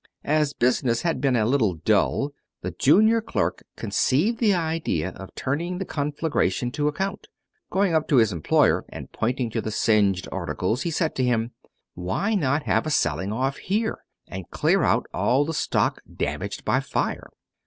As business had been a little dull, the junior clerk conceived the idea of turning the conflagration to account. Going up to his employer, and pointing to the singed articles, he said to him: "Why not have a selling off here, and clear out all the stock damaged by fire?"